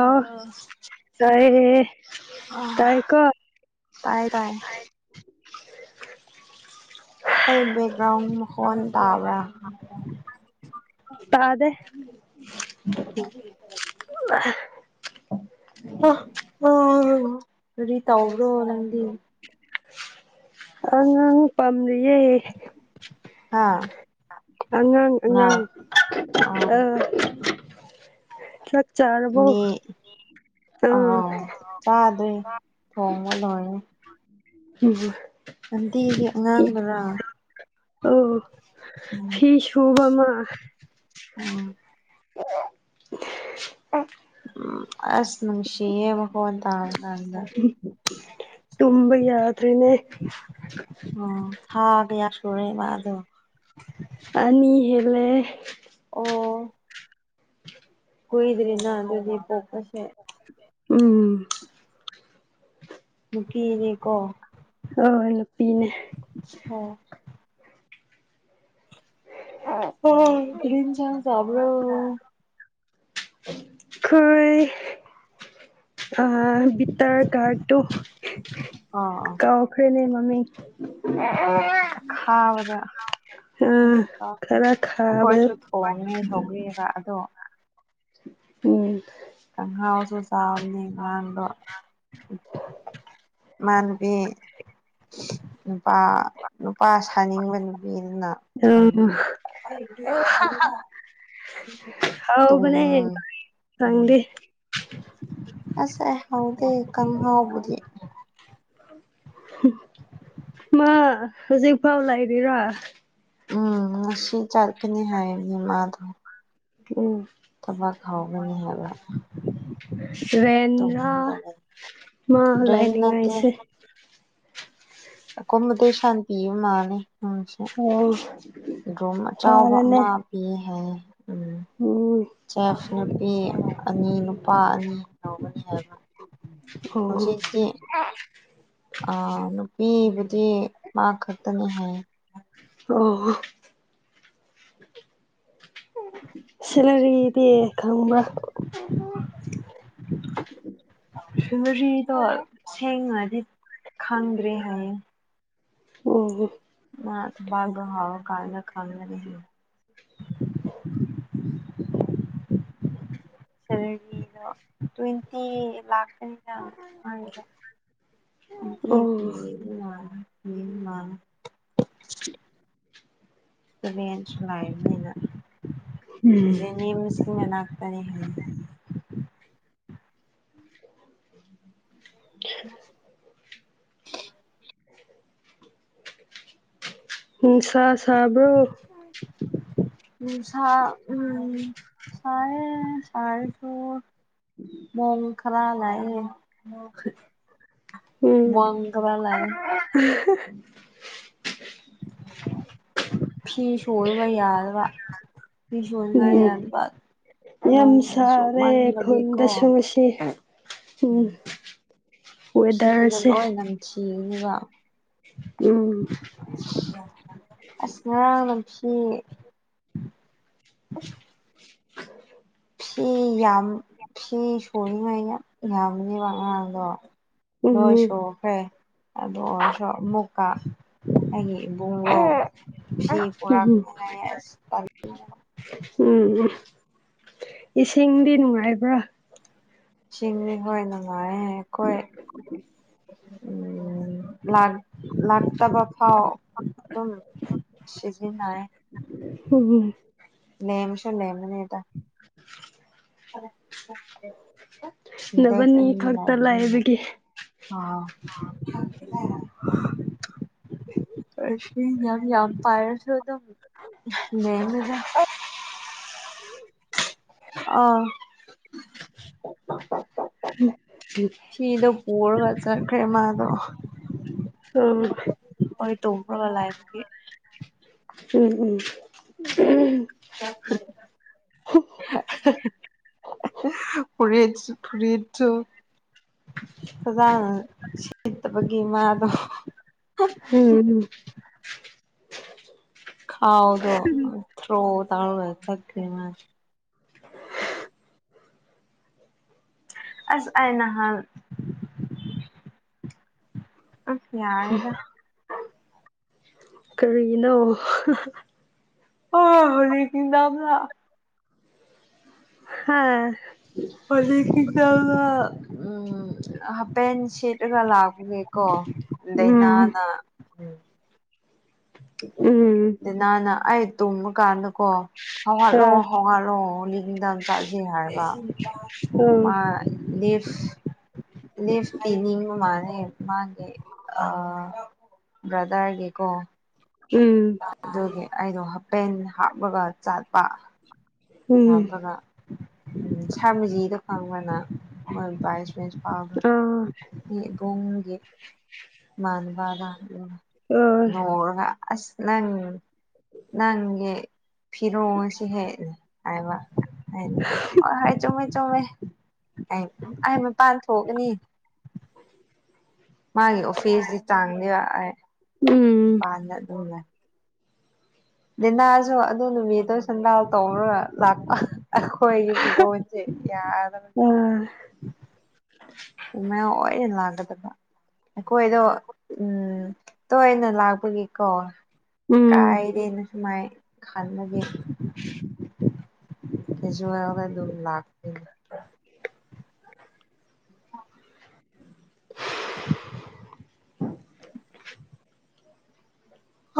ꯑ ꯇꯥꯏ ꯇꯥꯏ ꯀ ꯇꯥꯏꯌꯦ ꯇꯥꯏ ꯑꯩ ꯕꯦꯛꯒ꯭ꯔꯥꯎꯟ ꯍꯣꯟ ꯇꯥꯕ꯭ꯔꯥ ꯇꯥꯗꯦ [unintelligible] ꯑ ꯎ ꯑꯗꯨꯗꯤ ꯇ꯭ꯔꯣ ꯅꯪꯗꯤ ꯑꯉꯥꯡ ꯄꯥꯝꯂꯤꯌꯦ ꯍꯥꯥ ꯑꯉꯥꯡ ꯑꯉꯥꯡ ꯑꯣ ꯑ ꯆꯥꯔꯕꯣ ꯑꯥꯎ ꯑꯥ ꯆꯥꯗ꯭ꯔꯦ ꯊꯣꯡꯉ ꯂꯣꯏꯅꯤ ꯎ ꯂꯝꯗꯦꯒꯤ ꯑꯉꯥꯡꯕꯔꯥ ꯐꯤꯁꯨꯨꯕ ꯑꯃ ꯎ ꯑꯣ ꯎꯝ ꯑꯁ ꯅꯨꯡꯁꯤꯌ°ꯕꫭ [unintelligible] ꯇꯨꯝꯕ ꯌꯥꯗꯅꯦ ꯎꯝ ꯀꯌꯥ ꯁꯨꯨꯔꯦꯕ ꯑꯗꯨ ꯑꯅꯤ ꯍꯦꯂꯦ ꯑꯣ ꯀꯨꯏꯗ꯭ꯔꯤ ꯅ ꯑꯗꯨ꯭ꯔꯣꯗꯤꯄꯣ ꯄꯁꯦ ꯎꯝ ꯅꯨꯄꯤꯅꯦꯀꯣ ꯑ ꯅꯨꯄꯤꯅꯦ ꯍ ꯍ ꯀ꯭ꯔꯤꯟ ꯆ ꯆꯕ꯭ꯔꯣ ꯈꯔꯤ ꯑ ꯕꯤꯇꯔ ꯀꯥꯔꯣ ꯑꯣ ꯀꯥꯎꯈ꯭ꯔꯦꯅꯦ ꯃꯃꯤꯡ ꯈꯥꯕꯗ ꯑꯥ ꯑꯩꯁꯨ ꯀ ꯈꯔ ꯑꯩꯈꯣꯏꯁꯨ ꯈꯥꯕꯗꯣ ꯊꯣꯡꯉꯦ ꯁꯧꯒꯤ ꯑꯃ ꯑꯗꯣ ꯎꯝ ꯀꯥꯡꯍꯧꯁꯨ ꯆꯥꯕꯅꯤ ꯉꯥꯡꯗꯣ ꯃꯅꯕꯤ ꯅꯨꯄꯥ ꯁꯥꯅꯤꯡꯕ ꯅꯨꯄꯤꯗꯨꯅ ꯎꯝ ꯑ ꯊꯣꯡꯕꯤꯕ [unintelligible] ꯇꯨꯝ ꯍꯥꯎꯕꯅꯦ ꯈꯪꯗꯦ ꯑꯁ ꯑꯦ ꯍꯥꯎꯒꯦ ꯀꯝ ꯍꯥꯎ ꯙꯦ ꯃꯥ ꯍꯧꯖꯤꯛꯐꯥꯎ ꯂꯔꯤꯔꯥ ꯎꯝ ꯉꯁꯤ ꯆꯠꯀꯅꯤ ꯍꯥꯏ ꯃꯥꯗꯣ ꯎꯝ ꯊꯕꯛ ꯍꯥꯎꯒꯅꯤ ꯍꯥꯏꯕ ꯔꯦꯟꯗ꯭ꯔꯥ ꯇꯨꯝꯔꯒ ꯂꯩ ꯃꯥ ꯔꯦꯟ ꯅꯠꯇꯦ ꯂꯩꯥꯛꯅꯤꯡꯉꯥꯏꯁꯦ ꯑ ꯀꯣꯕꯗ ꯁꯥꯟꯇꯤꯕ ꯃꯥꯅꯦ ꯎꯝ ꯑꯣ ꯔꯣꯝ ꯑꯆꯕ ꯑꯃ ꯐꯔꯦꯅꯦ ꯄꯤ ꯍꯥꯏ ꯎꯝ ꯎꯝ ꯆꯦꯐ ꯅꯨꯄꯤ ꯑꯅꯤ ꯅꯨꯄꯥ ꯑꯅꯤ ꯉꯒꯅꯤ ꯍꯥꯏꯕ ꯍꯧꯖꯤꯛꯇꯤ ꯍ꯫ ꯑ ꯅꯨꯄꯤꯕꯨꯗꯤ ꯃꯥ ꯈꯛꯇꯅꯤ ꯍꯥꯏꯌꯦ꯫ ꯑꯣ ꯍꯣ꯫ ꯁꯦꯂꯔꯤꯗꯤ ꯈꯪꯕꯔ꯫ ꯁꯦꯂꯔꯤꯗꯣ ꯁꯦꯡꯅꯗꯤ ꯈꯪꯗ꯭ꯔꯦ ꯍꯥꯏꯌꯦ꯫ ꯑꯣ ꯍꯣ꯫ ꯃꯥ [unintelligible] ꯍꯥꯕ ꯀꯥꯟꯅꯗ ꯈꯒꯅꯤ꯫ [unintelligible] ꯁꯦꯂꯔꯤꯗꯣ ꯇ꯭ꯋꯦꯟꯇꯤ ꯂꯥꯛ꯫ ꯑꯣ [unintelligible] ꯎꯝ ꯃꯥ [inaudible] ꯁꯨ ꯎꯝ ꯂꯥꯏꯅꯅꯤꯁꯀꯤ ꯃꯅꯥꯇꯅꯤ ꯍꯥꯏ ꯅꯨꯡꯁꯥ ꯁꯥꯕ꯭ꯔꯣ [inaudible] ꯎ ꯁꯥ ꯎꯝ ꯁꯥꯏꯌꯦ ꯁꯥꯏꯌꯦ ꯊꯣ ꯃꯣꯡ ꯈꯔꯉꯏꯌꯦ ꯎꯝ ꯐꯤ ꯁꯨꯔꯕ ꯌꯥꯔꯕ ꯎꯝ ꯌꯥꯝ ꯅꯣꯡ ꯁꯥꯔꯦ ꯆꯨꯞꯃꯟꯕꯒꯤꯀꯣ ꯈꯨꯟꯗꯁꯨ ꯉꯁꯤ ꯎꯝ ꯋꯦꯗꯔꯁꯦ꯫ ꯁꯤꯈꯤꯕꯅꯤꯕ꯫ ꯎꯝ꯫ ꯑꯁ ꯉꯥꯔꯡ ꯂꯝꯁꯤ꯫ [unintelligible] ꯐꯤ ꯌꯥꯝ ꯐꯤ ꯁꯨꯅꯤꯉꯥꯏ ꯌꯥꯝ ꯌꯥꯝꯕꯅꯦꯕ ꯉꯥꯔꯡꯗꯣ꯫ ꯅꯣꯏ ꯎꯝ ꯁꯨꯈ꯭ꯔꯦ ꯑꯗꯨ ꯑꯣꯏꯔꯁꯨ ꯑꯃꯨꯛꯀ ꯑꯩꯒꯤ꯫ ꯏꯕꯨꯡꯉꯣ ꯐꯤ ꯎꯝ ꯄꯣꯔꯛꯅꯦ ꯍꯥꯏꯁ ꯇꯜ꯫ ꯎꯝ ꯎꯝ ꯏꯁꯤꯡꯗꯤ ꯅꯨꯡꯉꯥꯏꯕ꯭ꯔꯥ꯫ ꯆꯤꯡꯅꯤ ꯍꯣꯏ ꯅꯨꯡꯉꯥꯏꯔꯦ ꯑꯩꯈꯣꯏ꯫ ꯎ ꯂꯥꯛ ꯂꯥꯛ ꯇꯕ ꯐꯥꯎ꯫ ꯑꯗꯨꯝ ꯁꯤꯖꯤꯟꯏ꯫ ꯎꯝ ꯂꯦꯃꯁꯨ ꯂꯦꯃꯕꯅꯤꯗ꯫ [inaudible] ꯑꯣ꯫ ꯅꯣꯢꯕꯅꯤ ꯈꯛꯇ ꯂꯩꯕꯒꯤ꯫ ꯑ꯫ [inaudible] ꯌꯥꯝ ꯌꯥꯝ ꯄꯥꯏꯔꯁꯨ ꯑꯗꯨꯝ ꯂꯦꯝꯃꯤꯗ꯫ ꯑꯥ꯫ ꯐꯤꯗꯣ ꯄꯨꯔꯒ ꯆꯠꯈ꯭ꯔꯦ ꯃꯥꯗꯣ꯫ ꯑꯣ ꯑꯩꯏ ꯇ꯭ꯔꯒꯂꯥꯏꯕꯦ [unintelligible] ꯎꯝ ꯎꯝ ꯫ [unintelligible] ꯐꯨꯔꯤꯠ ꯐꯨꯔꯤꯠꯁꯨ꯫ ꯐꯖꯥꯅ ꯁꯦꯠꯇꯕꯒꯤ ꯃꯥꯗꯣ꯫ ꯎꯝ ꯎꯝ꯫ ꯈꯥꯎꯗꯣ ꯊꯔꯣ ꯇꯧꯔꯒ ꯆꯠꯈ꯭ꯔꯦ ꯃꯗꯤ꯫ ꯑꯁ ꯑꯩ ꯅꯍꯟ꯫ ꯑꯁ ꯌꯥꯔꯦꯗ꯫ ꯀꯔꯤꯒꯤꯅꯣ꯫ ꯑꯥ ꯍꯅꯤ ꯀꯤꯗꯝꯂ [unintelligible] ꯍꯥꯥ꯫ ꯍꯥꯞꯄꯦꯟ ꯁꯦꯠ꯫ ꯑꯩꯅ ꯂꯥꯛꯄꯒꯤꯀꯣ ꯎꯝ ꯗꯩꯩꯅꯥꯅ꯫ ꯎꯝ ꯗꯩꯅꯥꯅ ꯑꯩ ꯇꯨꯝꯕ ꯀꯥꯟꯗ ꯀꯣ ꯍꯧꯒꯠꯂꯣ ꯑ ꯍꯧꯒꯠꯂꯣ ꯅꯨꯃꯤꯗꯥꯡ ꯆꯥꯁꯦ ꯍꯥꯏꯔꯒ ꯑ ꯃꯥ ꯂꯤꯐ ꯂꯤꯐ ꯄꯤꯅꯤꯡꯕ ꯃꯥꯜꯂꯦ ꯃꯥꯒꯤ ꯑ ꯕ꯭ꯔꯥꯗꯔꯒꯤꯀꯣ ꯎꯝ꯫ ꯑꯗꯨꯒꯤ ꯑꯩꯗꯣ ꯍꯥꯄꯦꯟ ꯍꯥꯞꯂꯒ ꯆꯠꯄ꯫ ꯎꯝ ꯍꯥꯞꯂꯒ ꯎꯝ ꯁꯝꯖꯤꯗꯣ ꯈꯪꯕꯔꯥ ꯅꯪ ꯕꯥꯏ꯫ ꯄꯥꯕ ꯑ ꯃꯤ ꯏꯕꯨꯡꯒꯤ꯫ ꯃꯥꯟꯕꯔ ꯑ ꯅꯣꯛꯔꯒ꯫ ꯑꯁ ꯅꯪ ꯅꯪꯒꯤ ꯐꯤꯔꯣꯜꯁꯤ ꯍꯦ꯫ ꯍꯥꯏꯕ ꯑꯩꯅ ꯍꯥꯏ ꯍꯥꯏ ꯆꯨꯝꯃꯤ ꯆꯨꯝꯃꯤ ꯑꯩ ꯑꯩ ꯃꯄꯥꯟ ꯊꯣꯛꯀꯅꯤ ꯃꯥꯒꯤ ꯑꯣꯐꯤꯁꯀꯤ ꯆꯪꯉꯒ ꯑꯩ ꯎꯝ ꯃꯄꯥꯟꯗ ꯑꯗꯨꯝ ꯂꯩ ꯂꯤꯅꯥꯁꯨ ꯑꯗꯨ ꯅꯨꯃꯤꯠꯇꯣ ꯁꯦꯟꯗꯥꯜ ꯇꯣꯡꯔꯒ ꯂꯥꯛꯄ ꯑꯈꯣꯏ ꯌꯨꯝꯗꯗꯤ ꯌꯥꯗꯕꯅꯤ ꯑ ꯏꯃꯥ ꯑꯣꯏꯅ ꯌꯥꯗꯕꯗ ꯑꯩꯈꯣꯏꯗꯣ ꯎꯝ ꯇꯣꯏꯅ ꯂꯥꯛꯄꯒꯤꯀꯣ ꯎꯝ ꯀꯥꯏꯗꯦꯅꯦ ꯁꯨꯃꯥꯏ ꯈꯟꯅꯕꯩ ꯂꯣꯏꯖꯤꯜꯂ ꯑꯗꯨꯝ ꯂꯥꯛꯄ ꯅꯤꯗ [inaudible] [inaudible]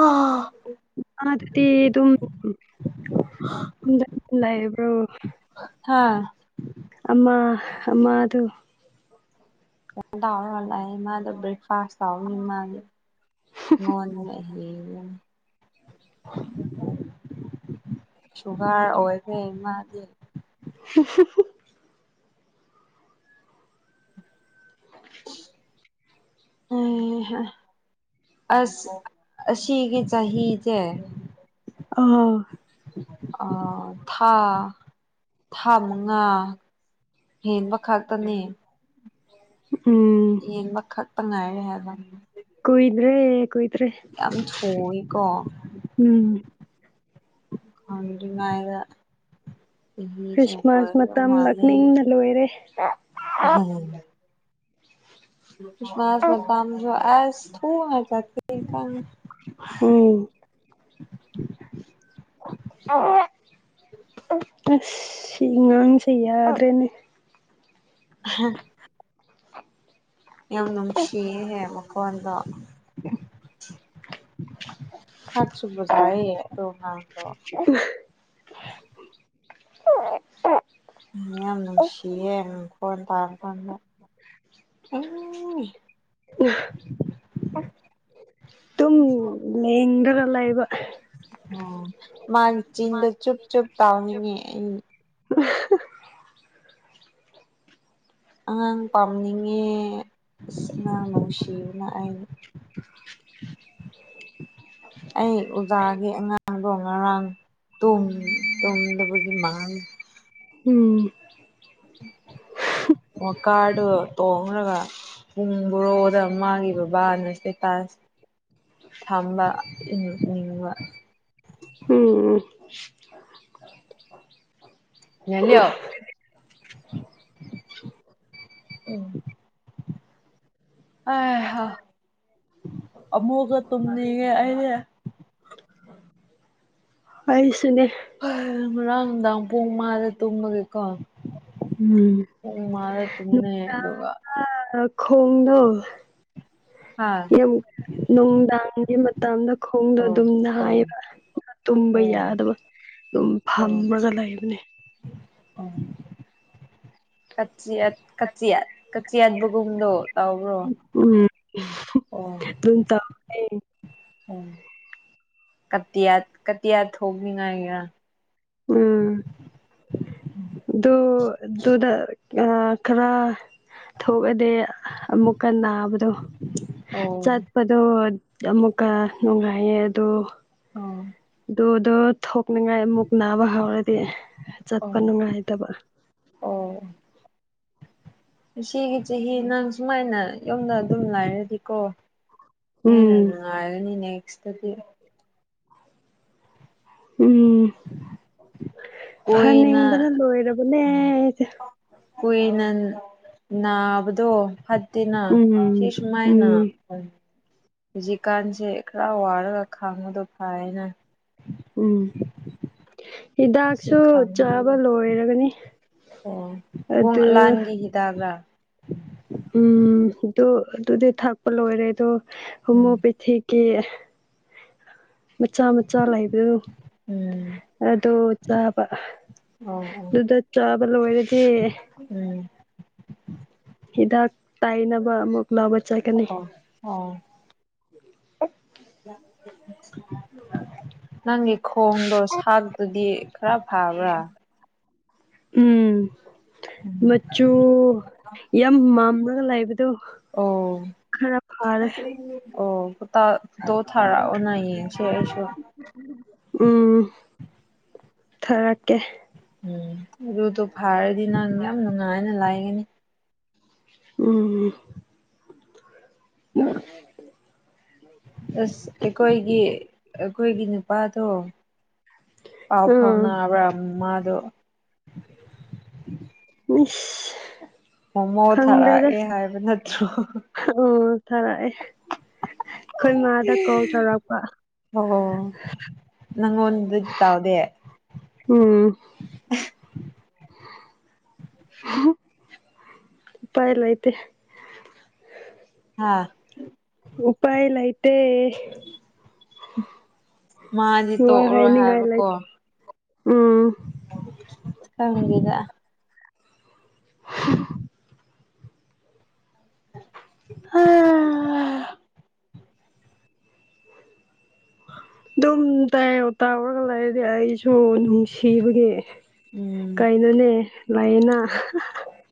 ꯑꯥ ꯃꯥꯗꯤ ꯑꯗꯨꯝ ꯌꯨꯝꯗ ꯂꯩꯕꯔꯣ ꯍꯥꯥ ꯑꯃꯥ ꯑꯃꯥꯗꯨ ꯇꯥꯔ ꯂꯥꯛꯑꯦ ꯃꯥꯗꯣ ꯕ꯭ꯔꯦꯛꯐꯥꯁ ꯇꯧꯔꯅꯤ ꯃꯥꯗꯤ ꯃꯅ ꯑ ꯁꯨꯒꯔ ꯑꯣꯏꯒꯦ ꯏꯃꯗꯤ [inaudible] [inaudible] ꯎꯝ ꯍꯝ ꯑꯁ ꯑꯁꯤꯒꯤ ꯆꯍꯤꯁꯦ ꯑꯥ ꯑꯥ ꯊꯥ ꯊꯥ ꯃꯉꯥ ꯍꯦꯟꯕ ꯈꯛꯇꯅꯦ ꯎꯝ ꯌꯦꯡꯕ ꯈꯛꯄ ꯉꯥꯏꯔꯦ ꯍꯥꯏꯕ ꯀꯣꯏꯗ꯭ꯔꯦ ꯀꯣꯏꯇ꯭ꯔꯦ ꯌꯥꯝ ꯊꯨꯏꯀꯣ ꯎꯝ ꯈꯉꯗ ꯈ꯭ꯔꯤꯁꯃꯥꯁ ꯆꯒ ꯃꯇꯝ ꯃꯥꯅꯦ ꯂꯥꯛꯅꯤꯡꯅ ꯂꯣꯏꯔꯦ ꯍꯝ ꯄꯨꯃꯥꯁ ꯃꯁꯨ ꯑꯁ ꯊ ꯀ ꯎꯝ ꯁꯤ ꯑꯉꯥꯡꯁꯦ ꯌꯥꯗ꯭ꯔꯦꯅꯦ ꯎ ꯌꯥꯝ ꯅꯨꯡꯁꯤꯌꯦꯍꯦ ꯃꯈꯣꯟꯗꯣ [inaudible] ꯆꯥꯛꯁꯨꯕꯖꯑꯌꯦ ꯇ ꯉꯥꯡꯗ [inaudible] ꯃꯤ ꯌꯥꯝ ꯅꯨꯡꯁꯤꯌꯦꯦꯈꯣꯟ ꯇꯥꯔꯀꯥꯟꯗ ꯍ [inaudible] ꯑꯗꯨꯝ ꯂꯦꯡꯗꯒ ꯂꯩꯕ ꯃꯥꯒꯤ ꯆꯗ ꯆꯨꯞꯨꯞ ꯆꯨꯞꯨꯞ ꯇꯥꯥꯎꯅꯤꯡꯉ ꯎ ꯑꯉꯥꯡ ꯄꯥꯝꯅꯤꯡꯉꯦ ꯑ ꯑꯉꯥꯡ ꯅꯨꯡꯁꯤꯌꯅ ꯑꯩꯅ [inaudible] ꯑꯩ ꯑꯣꯖꯥꯒꯤ ꯑꯉꯥꯡ ꯗ ꯃꯥꯡ ꯇ ꯇꯨꯝꯗꯕꯒꯒꯤ ꯃꯥꯡ ꯎꯝ ꯑꯣ ꯀꯥꯗ ꯇꯣꯡꯉ꯭ꯔꯒ ꯄꯨꯡ ꯕꯣꯔꯣꯗ ꯃꯥꯒꯤ ꯕꯕꯥꯅ ꯁꯦꯇꯥꯁ ꯊꯝꯕ ꯏꯅꯤꯡꯕ ꯎꯝ ꯌꯥꯂꯣ ꯎꯝ ꯑꯍꯥ ꯑꯃꯨꯛꯀ ꯇꯨꯝꯅꯤꯡꯉꯦ ꯑꯩꯅꯦ ꯄꯁꯤꯅꯦ ꯉꯔꯥꯡ ꯅꯨꯡꯗꯥꯡ ꯄꯨꯡ ꯃꯗ ꯇꯨꯝꯃꯒꯦꯀꯣ ꯎꯝ ꯎ ꯃꯥꯗ ꯇꯨꯝꯃꯤꯃꯦ ꯑꯗꯨꯒꯒ ꯑ ꯈꯣꯡꯣꯡꯗꯣ ꯍꯥꯥ ꯅꯨꯡꯗꯥꯡꯒꯤ ꯃꯇꯝꯗ ꯈꯣꯡꯗꯣ ꯑꯣ ꯑꯗꯨꯝ ꯑꯣ ꯍꯥꯏꯌꯦꯕ ꯇꯨꯝꯕ ꯑꯣ ꯌꯥꯗꯕ ꯑꯗꯨꯝ ꯐꯝꯔꯒ ꯂꯩꯕꯅꯤ [unintelligible] ꯀꯆꯤꯌꯥꯠ ꯀꯆꯤꯌꯥꯠꯕꯒꯨꯗꯣ ꯇꯧꯕꯔꯣ꯫ ꯎꯝ ꯑꯗꯨꯝ ꯇꯧꯋꯦ꫰꫰ ꯎ ꯀꯇꯤꯌꯥ ꯀꯇꯤꯌꯥ ꯊꯣꯛꯅꯤꯡ ꯉꯥꯏꯒꯤꯔ꯫ ꯎꯝ ꯑꯗꯨ ꯑꯗꯨꯗꯨꯗ ꯑ ꯈꯔ꯫ ꯊꯣꯛꯑꯗꯤ ꯑꯃꯨꯛꯀꯟꯅ ꯅꯥꯕꯗꯣ ꯑꯣ ꯆꯠ꯫ ꯄꯗꯣ ꯑꯃꯨꯛꯀ ꯅꯨꯡꯉꯥꯏꯌꯦ ꯑꯗꯣ ꯑꯣ ꯑꯗꯨꯗꯣ ꯊꯣꯛꯅꯤꯡꯉꯥꯏ ꯑꯃꯨꯛ ꯅꯥꯕ ꯍꯧꯔꯗꯤ ꯑꯣ ꯆꯠꯄ ꯅꯨꯡꯉꯥꯏꯇꯕ ꯑꯣ ꯏꯆꯦꯒꯤ ꯆꯍꯤ ꯅꯪ ꯁꯨꯃꯥꯏꯅ ꯌꯣꯗ ꯑꯗꯨꯝ ꯂꯥꯏꯔꯗꯤꯀꯣ ꯍꯦꯟꯅ ꯎꯝ ꯑꯅꯤ ꯅꯦꯛꯁꯗꯤ ꯎꯝ ꯀꯣꯏꯅ ꯐꯅꯤꯡꯕꯅ ꯂꯣꯏꯔꯕꯅꯦ ꯑꯩꯗꯤ꯫ ꯀꯨꯏꯅ ꯅꯥꯕꯗꯣ ꯐꯠꯇꯦꯅ ꯁꯤ ꯎꯝ ꯁꯨꯃꯥꯏꯅ꯫ ꯎꯝ ꯍꯧꯖꯤꯛꯀꯥꯟꯁꯦ ꯈꯔ ꯋꯥꯔꯒ ꯈꯥꯡꯕꯗꯣ ꯐꯥꯔꯦꯅ꯫ ꯎꯝ꯫ ꯁꯤ ꯍꯤꯗꯥꯛꯁꯨ ꯈꯥꯡꯕꯤ ꯆꯥꯕ ꯂꯣꯏꯔꯒꯅꯤ ꯑꯗꯨ꯫ ꯇꯥꯕꯔꯥ꯫ ꯎꯝ ꯑꯗꯨ ꯑꯗꯨꯗꯤ ꯊꯛꯄ ꯂꯣꯏꯔꯦ ꯑꯗꯣ ꯎꯝ ꯍꯣꯃꯤꯌꯣꯄꯦꯊꯤꯛ ꯀꯦ ꯃꯆꯥ ꯃꯆꯥ ꯂꯩꯕꯗꯨ ꯎꯝ ꯑꯗꯣ ꯆꯥꯕ ꯑꯣ ꯑꯣ ꯑꯗꯨꯗ ꯆꯥꯕ ꯂꯣꯏꯔꯗꯤ ꯎꯝ ꯍꯤꯗꯥꯛ ꯇꯥꯏꯅꯕ ꯑꯃꯨꯛ ꯂꯧꯕ ꯆꯠꯀꯅꯤ ꯑꯣ ꯑꯣ [inaudible] ꯅꯪꯒꯤ ꯈꯣꯡꯗꯣ ꯁꯥꯠꯄꯗꯤ ꯈꯔ ꯐꯕ꯭ꯔꯥ ꯎꯝ ꯎꯝ ꯃꯆꯨ ꯌꯥꯝ ꯃꯝꯂꯒ ꯂꯥꯛꯕꯗꯣ꯫ ꯑꯣ ꯈꯔ ꯐꯥꯔꯦ꯫ ꯑꯣ ꯐꯣꯠꯇ ꯐꯣꯇꯣ ꯊꯥꯔꯛꯎꯅ ꯌꯦꯡꯁꯤ ꯑꯩꯁꯨ꯫ ꯎꯝ ꯊꯔꯛꯀꯦ꯫ ꯎꯝ ꯑꯗꯨꯠꯇꯣ ꯐꯥꯔꯗꯤ ꯅꯪ ꯌꯥꯝ ꯅꯨꯡꯉꯥꯏꯅ ꯂꯥꯏꯒꯅꯤ꯫ ꯎꯝ꯫ [unintelligible] ꯑꯁ ꯑꯩꯈꯣꯏꯒꯤ ꯑꯩꯈꯣꯏꯒꯤ ꯅꯨꯄꯥꯗꯣ꯫ ꯄꯥꯎ ꯑꯥ ꯐꯥꯎꯅꯕ꯭ꯔꯥ ꯃꯥꯗꯣ꯫ ꯏꯁꯁ꯫ ꯃꯣꯃꯣ ꯊꯥꯔꯛꯑꯦ ꯍꯥꯏꯕ ꯅꯠꯇ꯭ꯔꯣ ꯎꯝ ꯊꯥꯔꯛꯑꯦ ꯑꯩꯈꯣꯏ ꯃꯥꯗ ꯀꯣꯜ ꯇꯧꯔꯛꯄ ꯑꯣ ꯅꯡꯉꯣꯟꯗ ꯇꯧꯗꯦ ꯎꯝ ꯎꯄꯥꯏ ꯂꯩꯇꯦ ꯍꯥꯥ ꯎꯄꯥꯏ ꯂꯩꯥꯇꯦ ꯃꯥꯗꯤ ꯋꯥ ꯇꯣꯛꯑꯔꯣꯏ ꯍꯥꯏꯅꯤꯡꯉꯥꯏ ꯍꯥꯏꯕꯀꯣ ꯂꯩꯇꯦ ꯎꯝ ꯈꯪꯗꯦꯗ [unintelligible] [unintelligible] [unintelligible] ꯑꯗꯨꯝ ꯇꯥꯏꯌꯦ ꯇꯥꯎꯔꯒ ꯂꯩꯔꯗꯤ ꯑꯩꯁꯨ ꯅꯨꯡꯁꯤꯕꯒꯤ ꯎꯝ ꯀꯩꯅꯣꯅꯦ ꯂꯩꯌꯦꯅꯥ